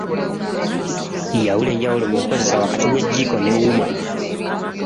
Yawula enjawulo mu nkozesa wakati w'ejjiiko ne wuuma.